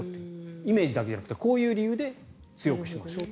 イメージだけじゃなくてこういう理由で強くしましょうと。